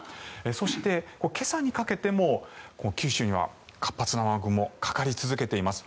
そして、今朝にかけても九州には活発な雨雲がかかり続けています。